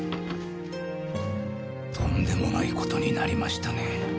とんでもない事になりましたね。